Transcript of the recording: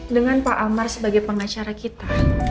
dengan pak amar sebagai pengacara kita